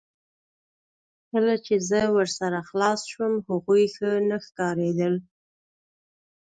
کله چې زه ورسره خلاص شوم هغوی ښه نه ښکاریدل